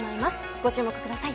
ご注目ください。